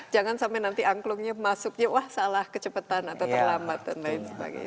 jangan sampai nanti angklungnya masuknya wah salah kecepatan atau terlambat dan lain sebagainya